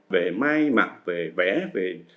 về mai mặt về vẽ về